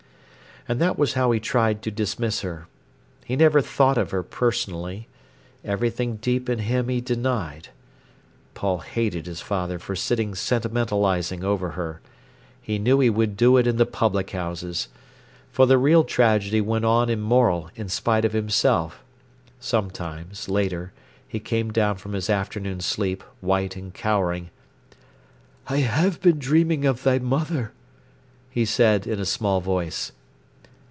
And that was how he tried to dismiss her. He never thought of her personally. Everything deep in him he denied. Paul hated his father for sitting sentimentalising over her. He knew he would do it in the public houses. For the real tragedy went on in Morel in spite of himself. Sometimes, later, he came down from his afternoon sleep, white and cowering. "I have been dreaming of thy mother," he said in a small voice.